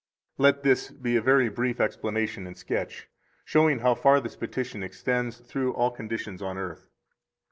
76 Let this be a very brief explanation and sketch, showing how far this petition extends through all conditions on earth.